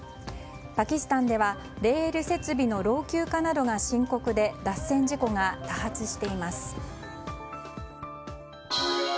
パキスタンではレール設備の老朽化などが深刻で脱線事故が多発しています。